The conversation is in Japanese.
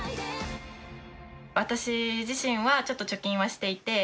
私自身はちょっと貯金はしていて。